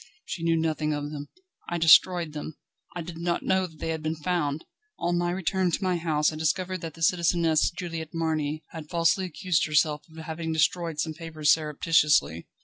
"She knew nothing of them. I destroyed them; I did not know that they had been found; on my return to my house I discovered that the Citizeness Juliette Marny had falsely accused herself of having destroyed some papers surreptitiously."